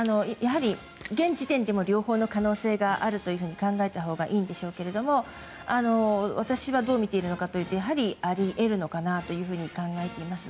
現時点では両方の可能性があると考えたほうがいいんでしょうけれども私はどうみているのかというとやはり、あり得るのかなと考えています。